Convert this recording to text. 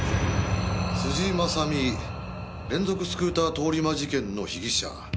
辻正巳連続スクーター通り魔事件の被疑者。